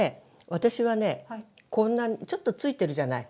私はねこんなちょっと付いてるじゃない？